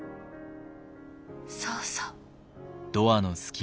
そうそう。